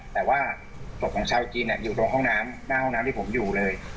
แต่ว่าศพของชาวจีนอยู่ตรงห้องน้ำหน้าห้องน้ำที่ผมอยู่เลย